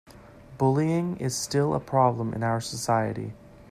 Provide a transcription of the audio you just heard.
Bullying is still a problem in our society.